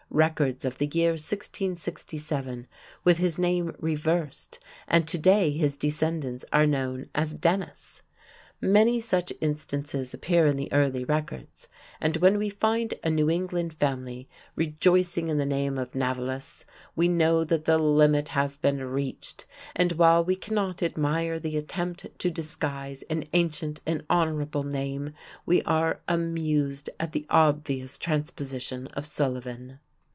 records of the year 1667 with his name reversed, and today his descendants are known as "Dennis". Many such instances appear in the early records, and when we find a New England family rejoicing in the name of "Navillus" we know that the limit has been reached, and while we cannot admire the attempt to disguise an ancient and honorable name, we are amused at the obvious transposition of "Sullivan".